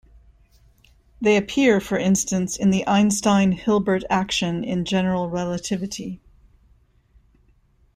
They appear, for instance, in the Einstein-Hilbert action in general relativity.